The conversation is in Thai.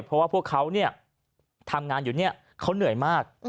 เพราะว่าพวกเขาทำงานอยู่เนี่ยเขาเหนื่อยมาก